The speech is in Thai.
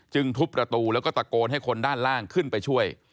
ทุบประตูแล้วก็ตะโกนให้คนด้านล่างขึ้นไปช่วย